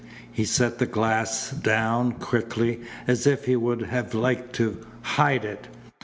He set the glass down quickly as if he would have liked to hide it.